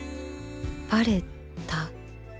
バレた？